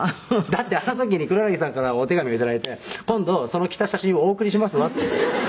「だってあの時に黒柳さんからお手紙をいただいて“今度その着た写真をお送りしますわ”って」